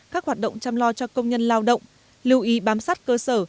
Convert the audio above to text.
các hoạt động chăm lo cho công nhân lao động lưu ý bám sát cơ sở